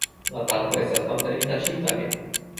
La parko estas malfermita ĉiutage.